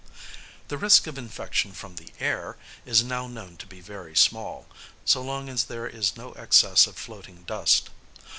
The risk of infection from the air is now known to be very small, so long as there is no excess of floating dust.